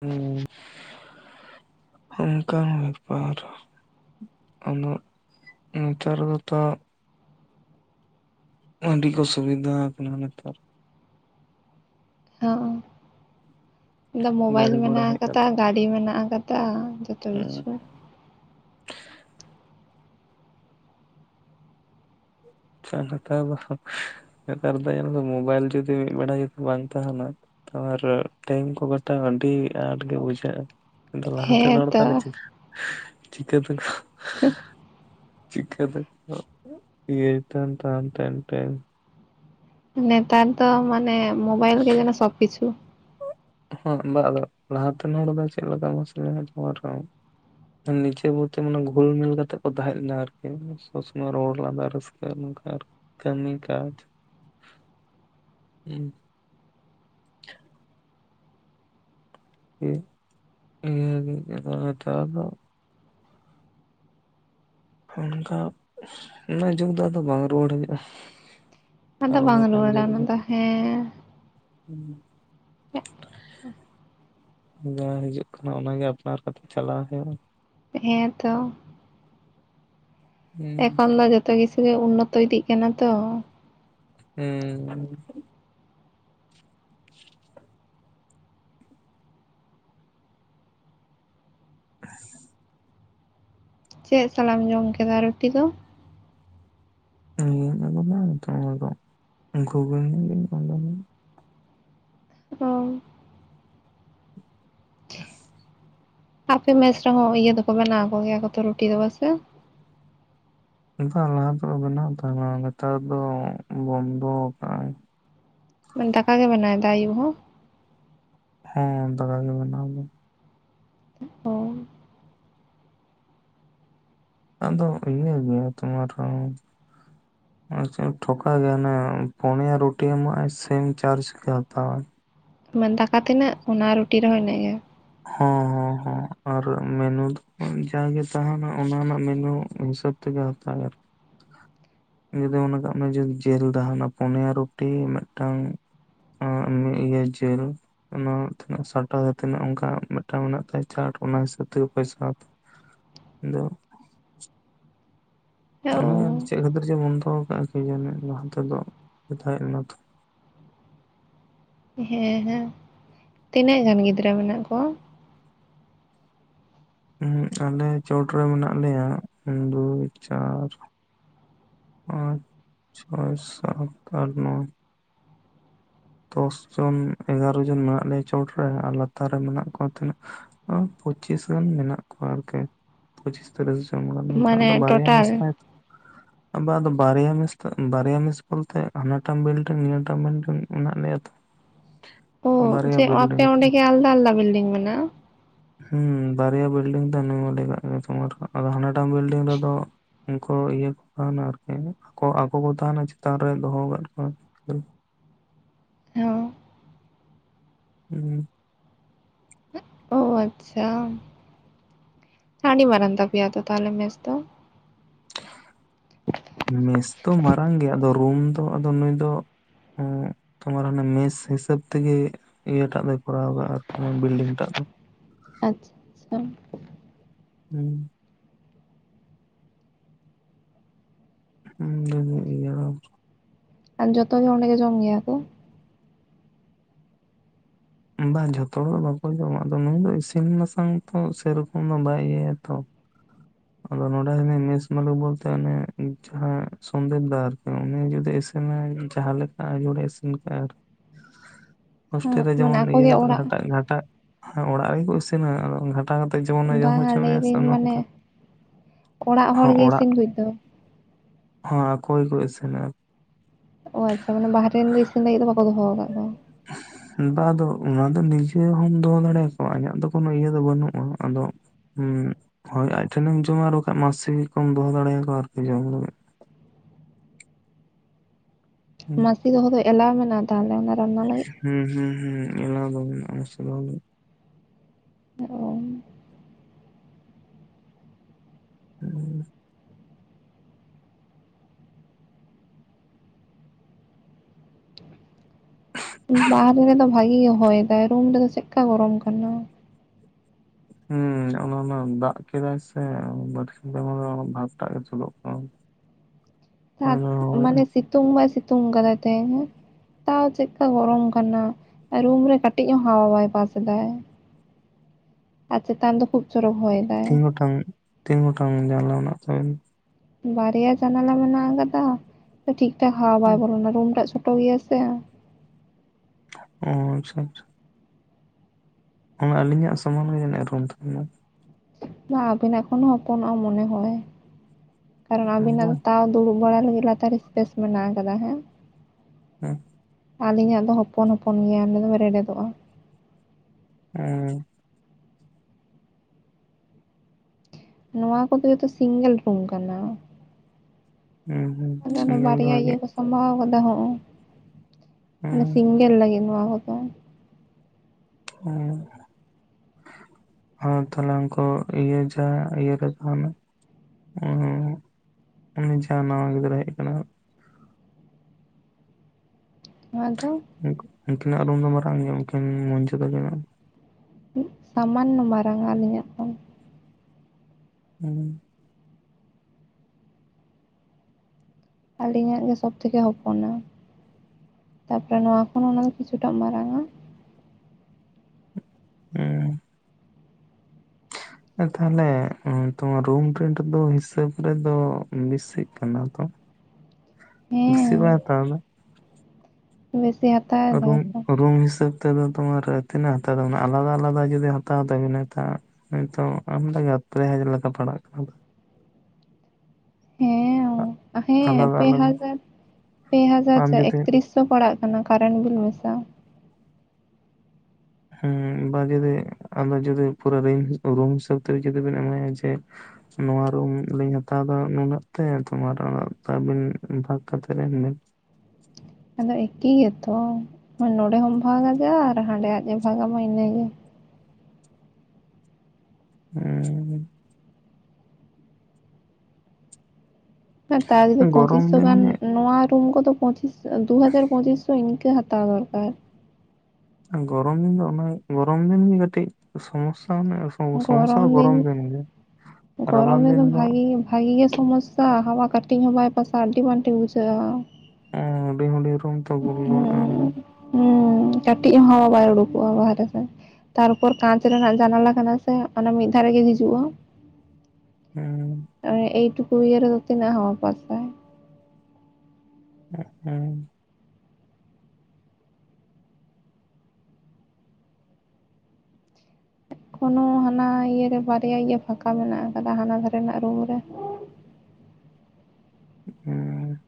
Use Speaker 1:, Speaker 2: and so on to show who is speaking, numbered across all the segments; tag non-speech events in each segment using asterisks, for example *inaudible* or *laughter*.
Speaker 1: ᱦᱩᱸ ᱾ ᱚᱱᱠᱟᱱ ᱵᱮᱯᱟᱨ ᱩᱱᱟᱹᱜ ᱱᱮᱛᱟᱨ ᱜᱮᱛᱚ ᱟᱹᱰᱤ ᱠᱚ ᱥᱩᱵᱤᱫᱟ ᱟᱠᱟᱱᱟ ᱱᱮᱛᱟᱨ
Speaker 2: ᱦᱚᱸᱜᱼᱚ ᱟᱫᱚ ᱢᱳᱵᱟᱭᱤᱞ
Speaker 1: ᱜᱟᱹᱲᱤ ᱜᱷᱚᱲᱟ
Speaker 2: ᱢᱮᱱᱟᱜ
Speaker 1: ᱦᱮᱡ ᱠᱟᱛᱮ
Speaker 2: ᱟᱠᱟᱫᱟ ᱾ ᱜᱟᱹᱰᱤ ᱢᱮᱱᱟᱜ ᱟᱠᱟᱫᱟ ᱾ ᱡᱚᱛᱚ ᱠᱤᱪᱷᱩ,
Speaker 1: ᱦᱮᱸ ᱟᱪᱪᱷᱟ ᱱᱮᱛᱟᱨ ᱫᱚ ᱱᱮᱛᱟᱨ ᱫᱚ ᱧᱮᱞᱢᱮ ᱢᱳᱵᱟᱭᱤᱞ ᱡᱩᱫᱤ ᱢᱤᱫ ᱵᱮᱲᱟ ᱡᱩᱫᱤ ᱵᱟᱝ ᱛᱟᱦᱮᱱᱟ ᱾ ᱟᱨ ᱴᱟᱭᱤᱢ ᱠᱚ ᱠᱟᱴᱟᱣ ᱟᱹᱰᱤ ᱟᱸᱴ ᱜᱮ ᱵᱩᱡᱷᱟᱹᱜᱼᱟ ᱾ ᱞᱟᱦᱟ ᱛᱮᱱ
Speaker 2: ᱦᱮᱸ
Speaker 1: ᱦᱚᱲ
Speaker 2: ᱛᱚ
Speaker 1: ᱛᱟᱦᱚᱞᱮ ᱪᱤᱠᱟᱹ ᱪᱤᱠᱟᱹ ᱛᱮᱠᱚ ᱪᱤᱠᱟᱹ ᱛᱮᱠᱚ ᱤᱭᱟᱹᱭ *unintelligible* ᱴᱟᱭᱤᱢ ᱴᱟᱭᱤᱢ ᱾
Speaker 2: ᱱᱮᱛᱟᱨ ᱫᱚ ᱢᱟᱱᱮ ᱢᱳᱵᱟᱭᱤᱞ ᱜᱮ ᱡᱟᱱᱮ ᱥᱚᱵ ᱠᱤᱪᱷᱩ,
Speaker 1: ᱦᱚᱸ ᱵᱟᱝ ᱟᱫᱚ ᱞᱟᱦᱟᱛᱮᱱ ᱦᱚᱲ ᱫᱚ ᱪᱮᱫ ᱞᱮᱠᱟ ᱢᱟᱥᱮ ᱟᱸᱡᱚᱢ ᱨᱮᱦᱚᱸ ᱱᱤᱡᱮ ᱵᱚᱞᱛᱮ ᱢᱟᱱᱮ ᱜᱷᱩᱞ ᱢᱤᱞ ᱠᱟᱛᱮᱜ ᱠᱚ ᱛᱟᱦᱮᱸ ᱞᱮᱱᱟ ᱟᱨᱠᱤ ᱥᱚᱵᱽ ᱥᱚᱢᱚᱭ ᱨᱚᱲ ᱞᱟᱸᱫᱟ ᱨᱟᱹᱥ ᱠᱟᱹᱢᱤ ᱠᱟᱡ *inaudible* ᱦᱩᱸ ᱾ ᱪᱮᱫ ᱱᱤᱭᱟᱹ ᱜᱮ ᱱᱮᱛᱟᱨ ᱫᱚ ᱚᱱᱠᱟ ᱚᱱᱟ ᱡᱩᱜᱽ ᱫᱚ ᱟᱫᱚ ᱵᱟᱝ ᱨᱩᱣᱟᱹᱲ ᱦᱩᱭᱩᱜᱼᱟ ᱾
Speaker 2: ᱟᱫᱚ ᱵᱟᱝ ᱨᱩᱣᱟᱹᱲᱟ ᱚᱱᱟ ᱫᱚ ᱦᱮᱸ ᱾
Speaker 1: ᱦᱩᱸ ᱾
Speaker 2: *unintelligible*
Speaker 1: ᱡᱟ ᱦᱤᱡᱩᱜ ᱠᱟᱱᱟ ᱚᱱᱟᱜᱮ ᱟᱯᱱᱟᱨ ᱠᱟᱛᱮᱜ ᱪᱟᱞᱟᱣ ᱦᱩᱭᱩᱜᱼᱟ ᱾
Speaker 2: ᱦᱮᱸ ᱛᱚ ᱾ ᱮᱠᱷᱚᱱ ᱫᱚ ᱡᱚᱛᱚ ᱠᱤᱪᱷᱩ ᱜᱮ ᱩᱱᱱᱚᱛᱚ ᱤᱫᱤᱜ ᱠᱟᱱᱟ ᱛᱚ
Speaker 1: ᱦᱩᱸᱻ ᱾ *inaudible*
Speaker 2: ᱪᱮᱜ ᱥᱟᱞᱟᱜ ᱮᱢ ᱡᱚᱢ ᱠᱮᱫᱟ ᱨᱩᱴᱤ ᱫᱚ?
Speaker 1: *unintelligible* *unintelligible*
Speaker 2: ᱦᱳᱭ ᱟᱯᱮ ᱢᱮᱥ ᱨᱮᱦᱚᱸ ᱤᱭᱟᱹ ᱫᱚᱠᱚ ᱵᱮᱱᱟᱣᱟᱠᱚ ᱜᱮᱭᱟ ᱠᱚ ᱛᱚ ᱨᱩᱴᱤ ᱫᱚ ᱵᱟᱥᱮ?
Speaker 1: ᱵᱟᱝ ᱞᱟᱦᱟ ᱛᱚ ᱵᱮᱱᱟᱣ ᱛᱟᱦᱮᱱᱟᱭ ᱱᱮᱛᱟᱨ ᱫᱚ ᱵᱚᱱᱫᱚ ᱠᱟᱜ ᱟᱭ᱾
Speaker 2: *unintelligible* ᱫᱟᱠᱟ ᱜᱮ ᱵᱮᱱᱟᱭᱮᱫᱟ ᱟᱭᱩᱵ ᱦᱚᱸ
Speaker 1: ᱦᱮᱸ ᱫᱟᱠᱟ ᱜᱮ ᱵᱮᱱᱟ *unintelligible*
Speaker 2: *unintelligible*
Speaker 1: *unintelligible* ᱴᱷᱚᱠᱟ ᱜᱮᱭᱟ *unintelligible* ᱯᱳᱱᱤᱭᱟ ᱨᱩᱴᱤ ᱮᱢᱚᱜ ᱟᱭ ᱥᱮᱢ ᱪᱟᱨᱡ ᱜᱮ ᱦᱟᱛᱟᱣᱟᱭ
Speaker 2: *unintelligible* ᱫᱟᱠᱟ ᱛᱤᱱᱟᱹᱜ ᱚᱸᱱᱟ ᱨᱩᱴᱤ ᱨᱮᱦᱚᱸ ᱤᱱᱟᱜ ᱜᱮ
Speaker 1: ᱦᱮᱸ ᱦᱮᱸ ᱦᱮᱸ ᱟᱨ ᱢᱮᱱᱩ ᱫᱚ ᱡᱟᱜᱮ ᱛᱟᱦᱮᱱᱟ ᱚᱱᱟ ᱨᱮᱱᱟᱜ ᱢᱮᱱᱩ ᱦᱤᱥᱟᱹᱵ ᱛᱮ ᱜᱮ ᱦᱟᱛᱟᱣ ᱟᱨ ᱠᱤ *inaudible* ᱡᱩᱫᱤ ᱢᱚᱱᱮ ᱠᱟᱜ ᱢᱮ ᱡᱮ ᱡᱮᱞ ᱛᱟᱦᱮᱱᱟ ᱯᱚᱱᱭᱟ ᱨᱩᱴᱤ ᱢᱤᱫᱴᱟᱝ ᱚ ᱢᱟ ᱤᱭᱟᱹ ᱡᱮᱞ ᱚᱱᱟ ᱛᱤᱱᱟᱹᱜ ᱥᱟᱴ ᱟᱫᱚ ᱛᱤᱱᱟᱹᱜ ᱚᱱᱠᱟ ᱢᱤᱫᱴᱟᱝ ᱢᱮᱱᱟᱜ ᱛᱟᱭᱟ ᱪᱟᱴ ᱚᱱᱟ ᱦᱤᱥᱟᱹᱵᱽ ᱛᱮᱜᱮ ᱯᱚᱭᱥᱟ ᱫᱚ
Speaker 2: ᱜᱮ ᱚ
Speaker 1: ᱚᱱᱟᱜᱮ ᱪᱮᱫ ᱠᱷᱟᱹᱛᱤᱨ ᱪᱚ ᱵᱚᱱᱫᱚ ᱟᱠᱟᱜ-ᱟ ᱠᱤᱡᱟᱱᱤ ᱞᱟᱦᱟ ᱛᱮᱫᱚ ᱛᱟᱦᱮᱸ ᱞᱮᱱᱟ ᱛᱚ᱾
Speaker 2: ᱦᱮᱸ ᱦᱮᱸ ᱛᱤᱱᱟᱹᱜ ᱜᱟᱱ ᱜᱤᱫᱽᱨᱟᱹ ᱢᱮᱱᱟᱜ ᱠᱚᱣᱟ?
Speaker 1: *unintelligible* ᱟᱞᱮ ᱪᱚᱴ ᱨᱮ ᱢᱮᱱᱟᱜ ᱞᱮᱭᱟ ᱫᱩᱭ ᱪᱟᱨ *unintelligible* ᱪᱷᱚᱭ ᱥᱟᱛ ᱟᱴ ᱱᱚᱭ ᱫᱚᱥ ᱡᱚᱱ ᱮᱜᱟᱨᱚ ᱡᱚᱱ ᱢᱮᱱᱟᱜ ᱞᱮᱭᱟ ᱪᱚᱴ ᱨᱮ ᱟᱨ ᱞᱟᱛᱟᱨ ᱨᱮ ᱢᱮᱱᱟᱜ ᱠᱚᱣᱟ ᱛᱤᱱᱟᱹᱜ *unintelligible* *unintelligible* ᱯᱚᱪᱤᱥ ᱜᱟᱱ ᱢᱮᱱᱟᱜ ᱠᱚᱣᱟ ᱟᱨᱠᱤ, ᱯᱚᱪᱤᱥ ᱛᱮᱨᱤᱥ ᱡᱚᱱ ᱜᱟᱱ ᱚᱱᱠᱟ ᱟᱫᱚ
Speaker 2: ᱢᱟᱱᱮ
Speaker 1: ᱵᱟᱨᱭᱟ
Speaker 2: ᱴᱳᱴᱟᱞ
Speaker 1: *unintelligible* *unintelligible* ᱵᱟᱨᱭᱟ ᱢᱮᱥ ᱵᱟᱨᱭᱟ ᱢᱮᱥ ᱵᱚᱞᱛᱮ ᱦᱟᱱᱟᱴᱟᱼᱜ ᱵᱤᱞᱰᱤᱝ ᱱᱤᱭᱟᱴᱟᱜ ᱵᱤᱞᱰᱤᱝ *unintelligible* ᱵᱟᱨᱭᱟ
Speaker 2: *unintelligible* *unintelligible* ᱟᱯᱮ
Speaker 1: ᱵᱤᱞᱰᱤᱝ ᱛᱮ
Speaker 2: ᱚᱸᱰᱮ ᱜᱮ ᱟᱞᱫᱟ ᱟᱞᱫᱟ ᱵᱤᱞᱰᱤᱝ ᱢᱮᱱᱟᱜᱼᱟ?
Speaker 1: ᱦᱩᱸ ᱵᱟᱨᱭᱟ *unintelligible* *unintelligible* *unintelligible* *unintelligible* *unintelligible* *unintelligible* ᱨᱮ ᱫᱮ ᱩᱱᱠᱩ ᱤᱭᱟᱹ ᱠᱚ ᱛᱟᱦᱮᱱᱟ ᱟᱨᱠᱤ ᱟᱠᱚ ᱟᱠᱚ ᱠᱚ ᱛᱟᱦᱮᱱᱟ ᱪᱮᱛᱟᱱ ᱨᱮ ᱫᱚᱦᱚ ᱟᱠᱟᱫ ᱠᱚᱣᱟ *unintelligible*
Speaker 2: *unintelligible*
Speaker 1: *unintelligible*
Speaker 2: ᱳ ᱟᱪᱪᱷᱟ ᱟᱹᱰᱤ ᱢᱟᱨᱟᱝ ᱛᱟᱯᱮᱭᱟ ᱛᱚ ᱢᱮᱥ ᱫᱚ,
Speaker 1: ᱢᱮᱥ ᱫᱚ ᱢᱟᱨᱟᱝ ᱜᱮᱭᱟ ᱟᱫᱚ ᱨᱩᱢ ᱫᱚ ᱟᱫᱚ ᱱᱩᱭ ᱫᱚ *unintelligible* ᱢᱮᱥ ᱦᱤᱥᱟᱹᱵ ᱛᱮ ᱜᱮ ᱤᱭᱟᱹᱴᱟᱜ ᱫᱚᱭ ᱠᱚᱨᱟᱣ *unintelligible* *unintelligible* ᱵᱤᱞᱰᱤᱝ ᱴᱟᱜ ᱫᱚ
Speaker 2: ᱟᱪᱪᱷᱟ *unintelligible*
Speaker 1: *inaudible* *unintelligible*
Speaker 2: *unintelligible* ᱡᱚᱛᱚ ᱜᱮ ᱚᱸᱰᱮ ᱜᱮ ᱡᱚᱢ ᱜᱮᱭᱟ ᱠᱚ
Speaker 1: *unintelligible* ᱡᱷᱚᱛᱚ ᱦᱚᱲ ᱵᱟᱠᱚ ᱡᱚᱢᱟ *unintelligible* ᱱᱩᱭ ᱫᱚ ᱤᱥᱤᱱ ᱵᱟᱥᱟᱝ ᱛᱚ ᱥᱮᱨᱚᱠᱚᱢ ᱫᱚ ᱵᱟᱭ ᱤᱭᱟᱹᱭᱟ ᱛᱚ, ᱟᱫᱚ ᱱᱚᱸᱰᱮ ᱢᱮᱥ ᱢᱟᱞᱤᱠ ᱵᱚᱞᱛᱮ ᱡᱟᱦᱟᱸᱭ ᱥᱚᱱᱫᱮᱯ ᱫᱟ ᱩᱱᱤ ᱡᱩᱫᱤ *unintelligible* *unintelligible* ᱡᱟᱦᱟᱸ ᱱᱚᱸᱰᱮ *unintelligible* ᱦᱳᱥᱴᱮᱞ
Speaker 2: ᱦᱚᱸ
Speaker 1: ᱨᱮ
Speaker 2: ᱢᱟᱱᱮ
Speaker 1: ᱡᱮᱢᱚᱱ ᱤᱭᱟᱹ
Speaker 2: ᱟᱠᱚᱜᱮ
Speaker 1: ᱠᱟᱛᱮ
Speaker 2: ᱚᱲᱟᱜ
Speaker 1: ᱦᱟᱴᱟᱜ ᱜᱷᱟᱴᱟᱜ ᱚᱲᱟᱜ ᱨᱮᱜᱮᱠᱚ ᱤᱥᱤᱱᱟ ᱟᱫᱚ ᱜᱷᱟ ᱴᱟ ᱠᱟᱛᱮᱫ ᱡᱮᱢᱚᱱᱮ ᱡᱚᱢ
Speaker 2: ᱵᱟᱝᱟ
Speaker 1: ᱦᱚᱪᱚ ᱢᱮᱭᱟ ᱥᱮ
Speaker 2: ᱞᱟᱹᱭᱫᱟᱹᱧ
Speaker 1: ᱚᱱ
Speaker 2: ᱢᱟᱱᱮ
Speaker 1: ᱚᱱᱠᱟ᱾
Speaker 2: ᱚᱲᱟᱜ ᱦᱚᱲ
Speaker 1: ᱦᱚᱸ
Speaker 2: ᱜᱮ
Speaker 1: ᱚᱲᱟᱜ
Speaker 2: ᱤᱥᱤᱱ *unintelligible*
Speaker 1: *unintelligible* ᱟᱠᱚ ᱜᱮᱠᱚ ᱤᱥᱤᱱᱟ *unintelligible*
Speaker 2: ᱚ ᱟᱪᱪᱷᱟ ᱢᱟᱱᱮ ᱵᱟᱦᱨᱮ ᱨᱮᱱ ᱫᱚ ᱤᱥᱤᱱ ᱞᱟᱹᱜᱤᱫ ᱫᱚ ᱵᱟᱠᱚ ᱫᱚᱦᱚ ᱟᱠᱟᱫ ᱠᱚᱣᱟ
Speaker 1: *inaudible* ᱵᱟ ᱟᱫᱚ ᱚᱱᱟ ᱫᱚ ᱱᱤᱡᱮ ᱦᱚᱢ ᱫᱚᱦᱚ ᱫᱟᱲᱮᱭᱟᱠᱚᱣᱟ ᱤᱧᱟᱹᱜ ᱫᱚ ᱠᱳᱱᱳ ᱤᱭᱟᱹ ᱫᱚ ᱵᱟᱹᱱᱩᱜᱼᱟ ᱾ ᱟᱫᱚ ᱦᱮᱸ, ᱦᱳᱭ ᱟᱡ ᱴᱷᱮᱱᱮᱢ ᱡᱚᱢᱟ ᱟᱨ ᱵᱟᱠᱷᱟᱱ ᱢᱟᱥᱤᱥ ᱠᱚᱢ ᱫᱚᱦᱚ ᱫᱟᱲᱮᱭᱟᱠᱚᱣᱟ ᱟᱨᱠᱤ ᱡᱚᱢ ᱞᱟᱹᱜᱤᱫ᱾ ᱦᱩᱸ
Speaker 2: ᱢᱟᱹᱥᱤ ᱫᱚᱦᱚ ᱫᱚ ᱮᱞᱟᱣ ᱢᱮᱱᱟᱜᱼᱟ ᱛᱟᱦᱚᱞᱮ ᱚᱱᱟ ᱨᱟᱱᱱᱟ ᱞᱟᱹᱜᱤᱫ
Speaker 1: ᱦᱩᱸ ᱦᱩᱸ ᱦᱩᱸ ᱮᱞᱟᱣ ᱠᱚ *inaudible*
Speaker 2: *unintelligible*
Speaker 1: *unintelligible*
Speaker 2: ᱵᱟᱦᱨᱮ ᱨᱮᱫᱚ ᱵᱷᱟᱜᱤᱜᱮ ᱦᱚᱭ‌ ᱮᱫᱟᱭ ᱨᱩᱢ ᱨᱮᱫᱚ ᱪᱮᱜᱠᱟ ᱜᱚᱨᱚᱢ ᱠᱟᱱᱟ᱾
Speaker 1: ᱦᱩᱸ ᱚᱱᱟᱢᱟ ᱫᱟᱜ ᱠᱮᱫᱟᱭ ᱥᱮ ᱵᱟᱨᱥᱤᱧ ᱯᱮᱢᱟᱦᱟ ᱫᱚ ᱵᱷᱟᱯ ᱴᱟᱜ ᱜᱮ *unintelligible* ᱩᱞᱚᱜ ᱠᱟᱱᱟ᱾ *inaudible* ᱫᱚ
Speaker 2: *unintelligible*
Speaker 1: ᱦᱚᱭᱮᱜᱼᱟ
Speaker 2: ᱢᱟᱱᱮ ᱥᱤᱛᱩᱝ ᱵᱟᱭ ᱥᱤᱛᱩᱝ ᱠᱟᱫᱟᱭ ᱛᱟᱦᱮᱸ ᱦᱮᱸ ᱛᱟᱣ ᱪᱮᱜᱠᱟ ᱜᱚᱨᱚᱢ ᱠᱟᱱᱟ ᱨᱩᱢ ᱨᱮ ᱠᱟᱹᱴᱤᱡ ᱦᱚᱸ ᱦᱟᱣᱟ ᱵᱟᱭ ᱯᱟᱥᱮᱫᱼᱟ ᱾ *unintelligible* ᱪᱮᱛᱟᱱ ᱫᱚ *unintelligible* ᱮᱫᱟᱭ
Speaker 1: ᱛᱤᱱ ᱜᱚᱴᱟᱝ ᱛᱤᱱ ᱜᱚᱴᱟᱝ ᱡᱟᱱᱞᱟ ᱢᱮᱱᱟᱜ ᱛᱟᱵᱮᱱᱟ
Speaker 2: ᱵᱟᱨᱭᱟ ᱡᱟᱱᱟᱞᱟ ᱢᱮᱱᱟᱜ ᱟᱠᱟᱫᱟ ᱴᱷᱤᱠ ᱴᱷᱟᱠ ᱦᱟᱣᱟ ᱵᱟᱭ ᱵᱚᱞᱚᱱᱟ ᱨᱩᱢ ᱴᱟᱜ ᱪᱷᱳᱴᱳ ᱜᱮᱭᱟ ᱥᱮ
Speaker 1: ᱟᱪᱪᱷᱟ ᱟᱪᱪᱷᱟ ᱞᱤᱧᱟᱜ ᱥᱚᱢᱟᱱ ᱜᱮ ᱡᱮᱱᱤᱡ ᱨᱩᱢ ᱛᱟᱦᱮᱱᱟ
Speaker 2: ᱵᱟᱝ ᱟᱹᱵᱤᱱᱟᱜ ᱠᱷᱚᱱ ᱦᱚ ᱯᱚᱱᱚᱜᱼᱟ ᱢᱚᱱᱮ ᱦᱚᱭ ᱠᱟᱨᱚᱱ ᱟᱹᱵᱤᱱᱟᱜ ᱫᱚ
Speaker 1: ᱵᱟᱝ
Speaker 2: ᱛᱟᱣ ᱫᱩᱲᱩᱵ ᱵᱟᱲᱟ ᱞᱟᱹᱜᱤᱫ ᱞᱟᱛᱟᱨ ᱨᱮ ᱥᱯᱮᱥ ᱢᱮᱱᱟᱜ ᱟᱠᱟᱫᱟ ᱦᱮᱸ
Speaker 1: ᱦᱮᱸ
Speaker 2: ᱟᱹᱞᱤᱧᱟᱜ ᱫᱚ ᱦᱚᱯᱚᱱ ᱦᱚᱯᱚᱱ ᱜᱮᱭᱟ ᱚᱰᱮ ᱫᱚᱢ ᱨᱮᱰᱮᱫᱚᱜᱼᱟ
Speaker 1: ᱦᱮᱸ
Speaker 2: ᱱᱚᱣᱟ ᱠᱚᱫᱚ ᱡᱚᱛᱚ ᱥᱤᱝᱜᱮᱞ ᱨᱩᱢ ᱠᱟᱱᱟ
Speaker 1: ᱦᱩᱸ ᱦᱩᱸ
Speaker 2: ᱟᱫᱚ ᱚᱱᱮ
Speaker 1: ᱥᱤᱝᱜᱮᱞ ᱜᱮ
Speaker 2: ᱵᱟᱨᱭᱟ
Speaker 1: ᱵᱷᱟᱜᱮᱜᱼᱟ
Speaker 2: ᱤᱭᱟᱹ ᱠᱚ ᱥᱟᱢᱵᱟᱣ ᱠᱟᱫᱟ ᱦᱚᱸᱚ ᱢᱟᱱᱮ
Speaker 1: ᱦᱩᱸ
Speaker 2: ᱥᱤᱝᱜᱮᱞ ᱞᱟᱹᱜᱤᱫ ᱱᱚᱣᱟ ᱠᱚᱫᱚ
Speaker 1: ᱦᱩᱸ ᱦᱮᱸ ᱛᱟᱦᱟᱞᱮ ᱩᱱᱠᱩ ᱤᱭᱟᱹ ᱡᱟᱦᱟ ᱤᱭᱟᱹ ᱨᱮ *inaudible* ᱩᱱᱤ ᱡᱟᱦᱟᱸ ᱱᱟᱣᱟ ᱜᱤᱫᱽᱨᱟᱹ ᱦᱮᱡ ᱟᱠᱟᱱᱟ
Speaker 2: ᱱᱚᱣᱟ ᱫᱚ
Speaker 1: ᱩᱱᱠᱤᱱᱟᱜ ᱨᱩᱢ ᱫᱚ ᱢᱟᱨᱟᱝ ᱜᱮᱭᱟ ᱩᱱᱠᱤᱱ ᱢᱚᱱᱡᱩ ᱛᱟᱹᱠᱤᱱᱟᱜ
Speaker 2: ᱥᱟᱢᱟᱱᱱᱚ ᱢᱟᱨᱟᱝᱼᱟ ᱟᱹᱞᱤᱧᱟᱜ ᱠᱷᱚᱱ
Speaker 1: ᱦᱩᱸ
Speaker 2: ᱟᱹᱞᱤᱧᱟᱜ ᱜᱮ ᱥᱚᱵ ᱛᱷᱮᱠᱮ ᱦᱚᱯᱚᱱᱟ ᱛᱟᱯᱚᱨᱮ ᱱᱚᱣᱟ ᱠᱷᱚᱱ ᱚᱱᱟ ᱫᱚ ᱠᱤᱪᱷᱩᱴᱟᱜ ᱢᱟᱨᱟᱝ ᱟ
Speaker 1: ᱩ ᱛᱟᱦᱞᱮ ᱛᱳᱢᱟ ᱨᱩᱢ ᱨᱮᱱᱴ ᱫᱚ ᱦᱤᱥᱟᱹᱵ ᱨᱮᱫᱚ ᱵᱮᱥᱤᱜ ᱠᱟᱱᱟ ᱛᱚ ᱵᱥᱤ ᱵᱟᱭ
Speaker 2: ᱦᱮᱸ
Speaker 1: ᱦᱟᱛᱟᱣᱫᱟ
Speaker 2: ᱵᱮᱥᱤ ᱦᱟᱛᱟ
Speaker 1: ᱨᱩᱢ ᱨᱩᱢ ᱦᱤᱥᱟᱹᱵ ᱫᱚ ᱛᱢᱟᱨ ᱛᱤᱱᱟᱹᱜ ᱦᱟᱛᱟᱣ ᱛᱟᱵᱚᱱᱟ ᱟᱞᱟᱫᱟ ᱟᱞᱟᱫᱟ ᱡᱩᱫᱤ ᱦᱟᱛᱟᱣ ᱛᱟᱵᱤᱱᱟ ᱛᱟ ᱛᱚ ᱟᱢᱫᱟᱜᱮ ᱯᱮ ᱦᱟᱡᱟᱨ ᱞᱮᱠᱟ ᱯᱟᱲᱟᱜ ᱠᱟᱱᱟ
Speaker 2: ᱦᱮᱸ ᱦᱮᱸ
Speaker 1: ᱟᱞᱟᱫᱟ ᱟᱞᱟᱫᱟ
Speaker 2: ᱯᱮᱦᱟᱡᱟᱨ ᱯᱮᱦᱟᱡᱟᱨ
Speaker 1: ᱟᱢ
Speaker 2: ᱪᱚ
Speaker 1: ᱡᱩᱫᱤ
Speaker 2: ᱮᱠᱛᱨᱤᱥ- ᱯᱟᱲᱟᱜ ᱠᱟᱱᱟ ᱠᱟᱨᱮᱱᱴ ᱵᱤᱞ ᱢᱮᱥᱟ
Speaker 1: ᱦᱮᱸ ᱵᱟ ᱡᱩᱫᱤ ᱟᱫᱚ ᱡᱩᱫᱤ ᱯᱩᱨᱟᱹ ᱨᱤᱢ ᱨᱩᱢ ᱦᱤᱥᱟᱹᱵ ᱛᱮ ᱡᱩᱫᱤ ᱵᱮᱱ ᱮᱢᱟᱭᱟ ᱡᱮ ᱱᱚᱣᱟ ᱨᱩᱢ ᱞᱤᱧ ᱦᱟᱛᱟᱣ ᱫᱟ ᱱᱩᱱᱟᱹᱜ ᱛᱮ ᱛᱳᱢᱟᱨ ᱟᱹᱵᱤᱱ ᱵᱷᱟᱜᱽ ᱠᱟᱛᱮ ᱮᱢ ᱵᱤᱱ
Speaker 2: ᱟᱫᱚ ᱮᱠᱤ ᱜᱮᱛᱚ ᱱᱚᱰᱮ ᱦᱚᱸᱚᱢ ᱵᱷᱟᱜᱟᱡᱟ ᱟᱨ ᱦᱟᱸᱰᱮ ᱟᱡ ᱮ ᱵᱷᱟᱜᱟ ᱢᱟ ᱤᱱᱟᱹᱜᱮ
Speaker 1: ᱩᱸᱻ
Speaker 2: ᱛᱟ ᱡᱩᱫᱤ
Speaker 1: ᱦᱩᱸ
Speaker 2: ᱯᱚᱸᱪᱤᱥ
Speaker 1: ᱜᱚᱨᱚᱢ
Speaker 2: ᱥᱚ
Speaker 1: ᱫᱤᱱ
Speaker 2: ᱜᱟᱱ ᱱᱚᱣᱟ ᱨᱩᱢ ᱠᱚᱫᱚ ᱯᱚᱸᱪᱤᱥ ᱫᱩ ᱦᱟᱡᱟᱨ ᱯᱚᱸᱪᱤᱥ ᱥᱚ ᱤᱱᱠᱟᱹ ᱦᱟᱛᱟᱣ ᱫᱚᱨᱠᱟᱨ
Speaker 1: ᱜᱚᱨᱚᱢ ᱫᱤᱱ ᱫᱚ ᱚᱱᱟ ᱜᱚᱨᱚᱢ ᱫᱤᱱᱜᱮ ᱠᱟᱹᱴᱤᱡ ᱥᱚᱢᱚᱥᱥᱟ ᱢᱟᱱᱮ ᱥᱚᱢᱚᱥᱥᱟ
Speaker 2: ᱜᱚᱨᱚᱢ
Speaker 1: ᱫᱚ
Speaker 2: ᱫᱤᱱ
Speaker 1: ᱜᱮ
Speaker 2: ᱜᱚᱨᱚᱢ ᱫᱤᱱ ᱫᱚ ᱵᱷᱟᱜᱮ ᱵᱷᱟᱜᱤ ᱜᱮ ᱥᱚᱢᱚᱥᱥᱟ ᱦᱟᱣᱟ ᱠᱟᱹᱴᱤᱡ ᱦᱚᱸ ᱵᱟᱭ ᱯᱟᱥᱟ ᱟᱹᱰᱤ ᱵᱟᱝᱴᱷᱤᱠ ᱵᱩᱡᱷᱟᱹᱜᱼᱟ
Speaker 1: ᱚ ᱦᱩᱰᱤᱝ ᱦᱩᱰᱤᱝ ᱨᱩᱢ ᱛᱚ ᱜᱩᱞᱞᱟᱹᱟ ᱟᱫᱚ
Speaker 2: ᱦᱩᱸ ᱦᱩᱸ ᱠᱸᱟᱹᱴᱤᱡ ᱦᱚᱸ ᱦᱟᱥᱟ ᱵᱟᱭ ᱩᱰᱩᱠᱚᱜᱼᱟ ᱵᱟᱦᱨᱮ ᱥᱮᱫ ᱛᱟᱨᱯᱚᱨ ᱠᱟᱸᱪ ᱨᱮᱱᱟᱜ ᱡᱟᱱᱟᱞᱟ ᱠᱟᱱᱟ ᱥᱮ ᱚᱱᱟ ᱢᱤᱫ ᱫᱷᱟᱨᱮ ᱜᱮ ᱦᱤᱡᱩᱜᱼᱟ
Speaker 1: *unintelligible* ᱦᱩᱸ᱾
Speaker 2: ᱮᱭ ᱴᱩᱠᱩ ᱤᱭᱟᱹ ᱨᱮᱫᱚ ᱛᱤᱱᱟᱹᱜ ᱦᱟᱣᱟ ᱯᱚᱥᱥᱟ?
Speaker 1: *inaudible*
Speaker 2: ᱠᱳᱱᱳ ᱦᱟᱱᱟ ᱤᱭᱟᱹᱨᱮ ᱵᱟᱨᱭᱟ ᱤᱭᱟᱹ ᱯᱷᱟᱸᱠᱟ ᱢᱮᱱᱟᱜ ᱟᱠᱟᱫᱟ ᱦᱟᱱᱟ ᱫᱷᱟᱨᱮ ᱨᱮᱱᱟᱜ ᱨᱩᱢ ᱨᱮ,
Speaker 1: *unintelligible*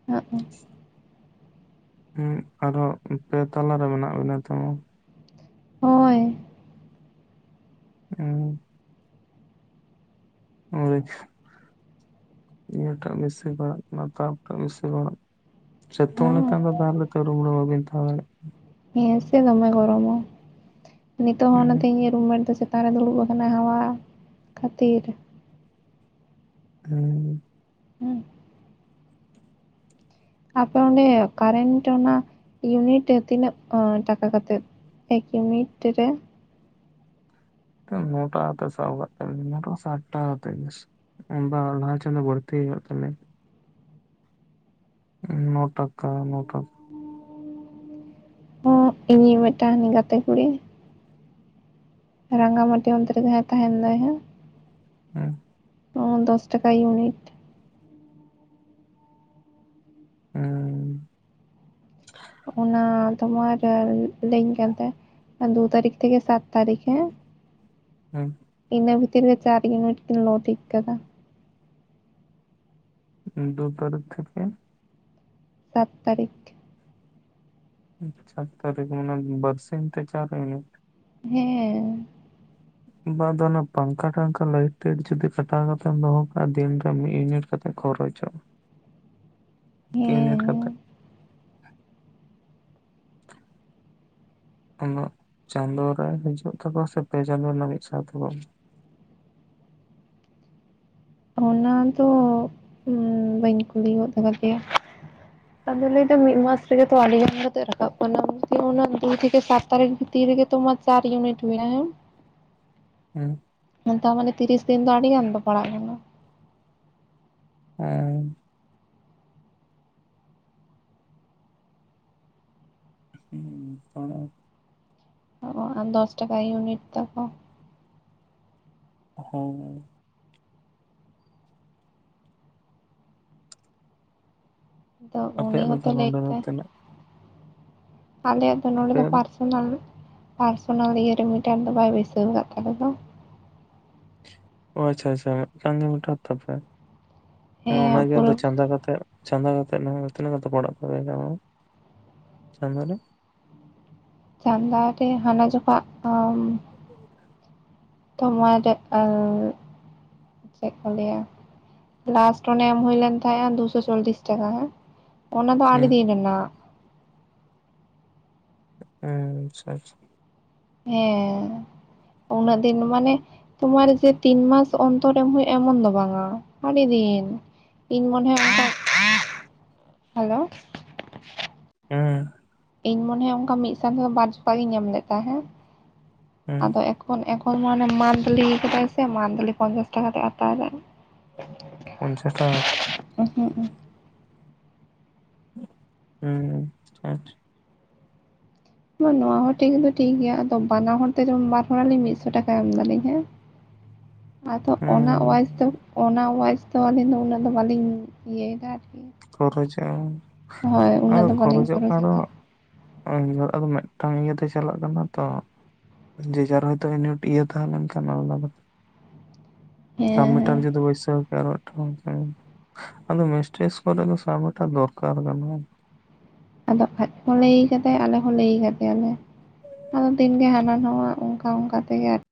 Speaker 2: *unintelligible*
Speaker 1: ᱩᱸᱜ ᱟᱨᱦᱚᱸ ᱯᱮ ᱛᱟᱞᱟ ᱨᱮ ᱢᱮᱱᱟᱜ ᱵᱤᱱᱟ ᱛᱚ,
Speaker 2: ᱦᱳᱭ ᱾
Speaker 1: ᱩᱸ *unintelligible* ᱱᱤᱭᱮ ᱴᱟᱜ ᱵᱮᱥᱤ ᱯᱟᱱᱟᱜ *inaudible* ᱥᱮᱛᱳᱝ ᱞᱮᱠᱷᱟᱱ ᱫᱚ ᱛᱟᱦᱚᱞᱮ ᱛᱚ ᱨᱩᱢ ᱨᱮ ᱵᱟᱵᱤᱱ ᱛᱟᱦᱮ ᱫᱟᱲᱮᱭᱟ,
Speaker 2: ᱦᱮᱸᱥᱮ ᱫᱚᱢᱮ ᱜᱚᱨᱚᱢᱟ ᱱᱤᱛᱚᱜ ᱦᱚᱸ ᱚᱱᱟᱛᱮ ᱤᱭᱟᱹ ᱨᱩᱢ ᱢᱮᱴ ᱫᱚ *inaudible* ᱪᱮᱛᱟᱱ ᱨᱮ ᱫᱩᱲᱩᱵ ᱟᱠᱟᱱᱟ ᱦᱟᱣᱟ ᱠᱷᱟᱹᱛᱤᱨ,
Speaker 1: *unintelligible*
Speaker 2: ᱦᱩᱸ᱾ ᱟᱯᱮ ᱚᱸᱰᱮ ᱠᱟᱨᱮᱱᱴ ᱚᱱᱟ ᱤᱭᱩᱱᱤᱴ ᱛᱤᱱᱟᱹᱜ ᱴᱟᱠᱟ ᱠᱟᱛᱮᱫ? ᱮᱠ ᱢᱤᱴ ᱨᱮ
Speaker 1: *inaudible* ᱵᱟᱝ *inaudible* ᱪᱟᱸᱫᱳ ᱵᱟᱲᱛᱤ ᱦᱩᱭᱩᱜᱼᱟ ᱛᱟᱦᱚᱞᱮ, *inaudible*
Speaker 2: ᱦᱚᱸ ᱤᱧᱤᱡ ᱢᱤᱫ ᱴᱟᱝ ᱜᱟᱛᱮ ᱠᱩᱲᱤ ᱨᱟᱸᱜᱟ ᱢᱟᱹᱴᱤ ᱚᱱᱛᱮ ᱨᱮᱜᱮ ᱡᱟᱦᱟᱸᱭ ᱛᱟᱦᱮᱱ ᱫᱚᱭ ᱦᱟᱸᱜ
Speaker 1: *unintelligible*
Speaker 2: ᱚ ᱫᱚᱥ ᱴᱟᱠᱟ ᱤᱭᱩᱱᱤᱴ,
Speaker 1: *unintelligible*
Speaker 2: ᱚᱱᱟ ᱛᱚᱢᱟᱨ ᱞᱟᱹᱭᱟᱹᱧ ᱠᱟᱱ ᱛᱟᱦᱮᱸ ᱫᱩ ᱛᱟᱨᱤᱠᱷ ᱛᱷᱮᱠᱮ ᱥᱟᱛ ᱛᱟᱨᱤᱠᱷ ᱦᱮᱸ,
Speaker 1: *inaudible*
Speaker 2: ᱤᱱᱟᱹ ᱵᱷᱤᱛᱤᱨ ᱨᱮ ᱪᱟᱨ ᱤᱭᱩᱱᱤᱴ ᱠᱤᱱ ᱞᱚ ᱴᱷᱤᱠ ᱠᱟᱫᱟ᱾
Speaker 1: ᱫᱩ ᱛᱟᱨᱤᱠᱷ ᱛᱷᱮᱠᱮ
Speaker 2: ᱥᱟᱛ ᱛᱟᱨᱤᱠᱷ
Speaker 1: ᱪᱟᱨ ᱛᱟᱹᱨᱤᱠᱷ ᱢᱟᱱᱮ ᱵᱟᱨᱥᱤᱧ ᱛᱮ ᱪᱟᱨ ᱢᱤᱱᱤᱴ
Speaker 2: ᱦᱮᱸᱻ
Speaker 1: ᱵᱟ ᱟᱫᱚ ᱚᱱᱟ ᱯᱟᱝᱠᱷᱟ ᱴᱟᱝᱠᱷᱟ ᱞᱟᱭᱴᱤ ᱡᱚᱫᱤ ᱠᱷᱟᱴᱟᱣ ᱠᱟᱛᱮᱫ ᱮᱢ ᱫᱚᱦᱚ ᱠᱟᱜᱟ ᱫᱤᱱ ᱨᱮ ᱢᱤᱫ ᱤᱭᱩᱱᱤᱴ *inaudible*
Speaker 2: ᱦᱮᱸ
Speaker 1: ᱩᱱᱟᱹᱜ ᱪᱟᱸᱫᱳ ᱨᱮ ᱦᱤᱡᱩᱜ ᱛᱟᱠᱚ ᱥᱮ ᱯᱮ ᱪᱟᱸᱫᱳ ᱨᱮᱱᱟᱜ ᱢᱤᱫ ᱥᱟᱶ ᱛᱮᱠᱚ?
Speaker 2: ᱚᱱᱟ ᱫᱚ ᱵᱟᱹᱧ ᱠᱩᱞᱤ ᱜᱚᱫ ᱠᱟᱫ ᱮᱭᱟ᱾ ᱟᱫᱚ ᱞᱟᱹᱭᱫᱟ ᱢᱤᱫ ᱢᱟᱥ ᱨᱮᱜᱮ ᱛᱚ ᱟᱹᱰᱤᱜᱟᱱ ᱠᱟᱛᱮᱫ ᱨᱟᱠᱟᱵ ᱠᱟᱱᱟ᱾ ᱚᱱᱟ ᱚᱱᱟ ᱫᱩ ᱛᱷᱮᱠᱮ ᱥᱟᱛ ᱛᱟᱨᱤᱠ ᱵᱷᱤᱛᱤᱨ ᱨᱮᱜᱮ ᱛᱚᱢᱟᱜ ᱪᱟᱨ ᱤᱭᱩᱱᱤᱴ ᱢᱮᱱᱟᱜᱼᱟ, ᱦᱮᱸ᱾
Speaker 1: ᱦᱩᱸ᱾
Speaker 2: ᱱᱮᱛᱟ ᱢᱟᱱᱮ ᱛᱤᱨᱤᱥ ᱫᱤᱱ ᱫᱚ ᱟᱹᱰᱤᱜᱟᱱ ᱫᱚ ᱯᱟᱲᱟᱜ ᱠᱟᱱᱟ᱾
Speaker 1: ᱦᱩᱸ᱾ ᱦᱩᱸ ᱛᱚᱲᱟ᱾
Speaker 2: ᱚ, ᱫᱚᱥ ᱴᱟᱠᱟ ᱤᱭᱩᱱᱤᱴ ᱛᱟᱠᱚ᱾
Speaker 1: ᱦᱩᱸ᱾
Speaker 2: ᱟᱫᱚ ᱩᱱᱤ
Speaker 1: ᱟᱯᱮᱭᱟᱜ ᱫᱚ
Speaker 2: ᱦᱚᱸᱛᱚ
Speaker 1: ᱛᱟᱦᱚᱞᱮ
Speaker 2: ᱞᱟᱹᱭ
Speaker 1: ᱚᱸᱰᱮ ᱫᱚ
Speaker 2: ᱠᱮᱫᱟᱭ
Speaker 1: ᱛᱤᱱᱟᱹᱜ
Speaker 2: ᱟᱞᱮᱭᱟᱜ ᱫᱚ ᱱᱚᱰᱮ ᱫᱚ ᱯᱟᱨᱥᱚᱱᱟᱞ ᱯᱟᱨᱥᱚᱱᱟᱞ ᱤᱭᱟᱹ ᱨᱮ ᱢᱤᱴᱟᱨ ᱫᱚ ᱵᱟᱭ ᱵᱟᱹᱭᱥᱟᱹᱣ ᱟᱠᱟᱫ ᱛᱟᱞᱮ ᱫᱚ᱾
Speaker 1: ᱚ ᱟᱪᱪᱷᱟ, ᱟᱪᱪᱷᱟ, ᱢᱤᱫᱴᱟᱝ ᱜᱮ ᱢᱮᱴᱟᱨ ᱛᱟᱯᱮ?
Speaker 2: ᱦᱮᱸ
Speaker 1: ᱚᱱᱟᱜᱮ ᱟᱫᱚ
Speaker 2: ᱯᱩᱨᱟᱹ
Speaker 1: ᱪᱟᱸᱫᱟ ᱠᱟᱛᱮ ᱪᱟᱸᱫᱚ ᱠᱟᱛᱮ ᱛᱤᱱᱟᱹᱜ ᱠᱟᱛᱮ ᱯᱟᱲᱟᱜ ᱛᱟᱯᱮᱭᱟ ᱢᱟᱱᱮ ᱪᱟᱸᱫᱚ ᱨᱮ?
Speaker 2: ᱪᱟᱸᱫᱟ ᱨᱮ ᱦᱟᱱᱟ ᱡᱚᱠᱷᱟᱜ, ᱟ᱾ ᱛᱚᱢᱟ *unintelligible* ᱪᱮᱫ ᱠᱚ ᱞᱟᱹᱭᱟ ᱞᱟᱥᱴ ᱚᱱᱮ ᱮᱢ ᱦᱩᱭᱞᱮᱱ ᱛᱟᱦᱮᱸᱼᱟ ᱫᱩᱥᱚ ᱪᱚᱞᱤᱥ ᱴᱟᱠᱟ ᱜᱟᱱ ᱚᱱᱟ ᱫᱚ ᱟᱹᱰᱤ
Speaker 1: ᱦᱩᱸ
Speaker 2: ᱫᱤᱱ ᱨᱮᱱᱟᱜ
Speaker 1: ᱦᱩᱸ ᱟᱪᱪᱷᱟ ᱟᱪᱪᱷᱟ
Speaker 2: ᱦᱮᱸ *unintelligible* ᱩᱱᱟᱹᱜ ᱫᱤᱱ ᱢᱟᱱᱮ *unintelligible* *unintelligible* ᱛᱤᱱ ᱢᱟᱥ ᱚᱱᱛᱚᱨ ᱮᱢ ᱦᱳᱭᱳᱜ-ᱟ ᱮᱢᱚᱱ ᱫᱚ ᱵᱟᱝᱟ ᱟᱹᱰᱤ ᱫᱤᱱ ᱤᱧ ᱢᱚᱱᱮ ᱦᱚᱭ ᱚᱱᱠᱟ *unintelligible* ᱦᱮᱞᱳ
Speaker 1: *unintelligible* ᱦᱮᱸ᱾
Speaker 2: ᱤᱧ ᱢᱚᱱᱮ ᱦᱚᱭ ᱚᱱᱠᱟ ᱢᱤᱫ ᱥᱚᱝᱜᱮ ᱵᱟᱨ *unintelligible* ᱞᱮᱫ ᱛᱟᱦᱮᱫ ᱾
Speaker 1: ᱦᱩᱸ
Speaker 2: ᱟᱫᱚ ᱮᱠᱷᱚᱱ *unintelligible* ᱢᱟᱱᱮ ᱢᱟᱱᱛᱞᱤ ᱟᱠᱟᱫᱟᱭ ᱥᱮ ᱢᱟᱱᱛᱞᱤ ᱯᱚᱧᱪᱟᱥ ᱴᱟᱠᱟ ᱠᱟᱛᱮᱫ ᱦᱟᱛᱟᱣ ᱮᱫᱟᱭ᱾
Speaker 1: ᱯᱚᱧᱪᱟᱥ ᱴᱟᱠᱟ
Speaker 2: ᱦᱩᱸ ᱦᱩᱸᱜ,
Speaker 1: *unintelligible* ᱦᱮᱸ *unintelligible* ᱟᱪᱪᱷᱟ᱾
Speaker 2: ᱱᱚᱣᱟ ᱦᱚᱸ ᱴᱷᱤᱠ ᱫᱚ ᱴᱷᱤᱠ ᱜᱮᱭᱟ ᱟᱫᱚ ᱵᱟᱱᱟ ᱦᱚᱲ ᱛᱮ ᱵᱟᱨ ᱦᱚᱲ ᱟᱞᱤᱧ ᱢᱤᱫᱥᱚ ᱴᱟᱠᱟ ᱮᱢ ᱮᱫᱟᱞᱤᱧ ᱦᱮᱸ
Speaker 1: *unintelligible*
Speaker 2: ᱟᱫᱚ ᱚᱱᱟ
Speaker 1: ᱦᱩᱸ
Speaker 2: ᱚᱣᱟᱡ ᱫᱚ ᱚᱱᱟ ᱚᱣᱟᱡ ᱫᱚ ᱟᱹᱞᱤᱧ ᱫᱚ ᱩᱱᱟᱹᱜ ᱫᱚ ᱵᱟᱹᱞᱤᱧ ᱤᱭᱟᱹᱭᱮᱫᱟ ᱟᱨᱠᱤ
Speaker 1: ᱠᱷᱚᱨᱚᱪᱚᱜᱼᱟ᱾
Speaker 2: ᱦᱳᱭ
Speaker 1: *unintelligible*
Speaker 2: ᱩᱱᱟᱹᱜ
Speaker 1: ᱟᱫᱚ
Speaker 2: ᱫᱚ ᱵᱟᱹᱞᱤᱧ
Speaker 1: ᱠᱷᱚᱨᱚᱪᱚᱜ
Speaker 2: ᱠᱷᱚᱨᱚᱪ
Speaker 1: ᱠᱟᱱ
Speaker 2: ᱮᱫᱟ
Speaker 1: ᱨᱮᱦᱚᱸ *unintelligible* ᱟᱫᱚ ᱢᱤᱫᱴᱟᱝ ᱤᱭᱟᱹᱛᱮ ᱪᱟᱞᱟᱜ ᱠᱟᱱᱟ ᱛᱚ ᱡᱮ ᱡᱟᱨ ᱦᱚᱭᱛᱚ *unintelligible* ᱤᱭᱟᱹ ᱛᱟᱦᱮ ᱞᱮᱱᱠᱷᱟᱱ *unintelligible*
Speaker 2: ᱦᱮᱸ
Speaker 1: *unintelligible*
Speaker 2: ᱦᱮᱸ
Speaker 1: ᱡᱩᱫᱤ ᱵᱟᱹᱭᱥᱟᱹᱣ *unintelligible* ᱦᱩᱸ ᱦᱩᱸ, ᱟᱫᱚ ᱢᱤᱥᱴ ᱴᱮᱥᱴ ᱠᱚᱨᱮ ᱞᱮ ᱥᱟᱵᱟ ᱛᱚ ᱫᱚᱨᱠᱟᱨ ᱵᱟᱹᱱᱩᱜ-ᱟ ᱾
Speaker 2: ᱟᱫᱚ ᱟᱡ ᱠᱚ ᱞᱟᱹᱭ ᱟᱠᱟᱫᱮᱭᱟ ᱟᱞᱮ ᱦᱚᱸ ᱞᱟᱹᱭ ᱟᱠᱟᱫᱮᱭᱟᱞᱮ ᱾ ᱟᱫᱚ ᱫᱤᱱᱜᱮ ᱦᱟᱱᱟ ᱱᱟᱣᱟ ᱚᱱᱠᱟ ᱚᱱᱠᱟ ᱛᱮᱜᱮ